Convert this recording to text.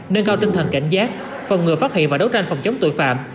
nâng cao tinh thần cảnh giác phòng ngừa phát hiện và đấu tranh phòng chống tội phạm